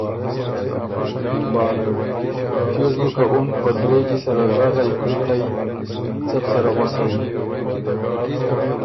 اقبال: تیوس بُو که اُن په درېجي سره ژغئ، کړِتئ، څه بو سره غؤسئ؟